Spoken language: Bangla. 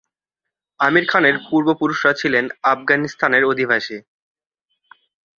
আমির খানের পূর্বপুরুষরা ছিলেন আফগানিস্তানের অধিবাসী।